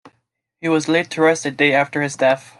He was laid to rest a day after his death.